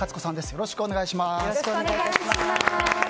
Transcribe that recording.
よろしくお願いします。